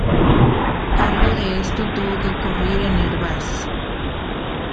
Algo de esto tuvo que ocurrir en Hervás.